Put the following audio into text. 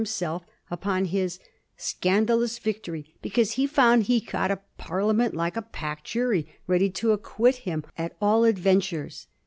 xxl ing himself upon '* his scandalous victory " because he found he had got ^' a Parliament^ like a packed jury, ready to acquit him at all adventures."